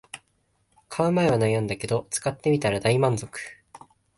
買う前は悩んだけど使ってみたら大満足